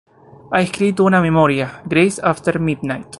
Ha escrito una memoria, "Grace After Midnight".